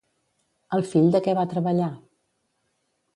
El fill de què va treballar?